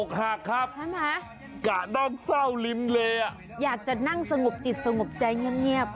อกหากครับเรียบร้อยอยากจะนั่งสงบติดสงบใจเงียบ